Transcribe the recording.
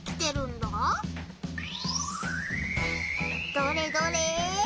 どれどれ？